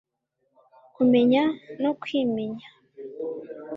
kumenya no kwimenya